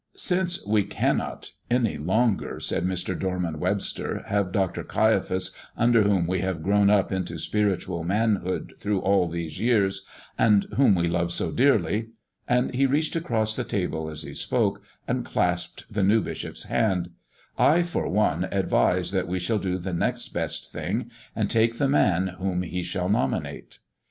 "Since we cannot any longer," said Mr. Dorman Webster, "have Dr. Caiaphas, under whom we have grown up into spiritual manhood through all these years, and whom we love so dearly" and he reached across the table as he spoke and clasped the new bishop's hand "I, for one, advise that we shall do the next best thing, and take the man whom he shall nominate."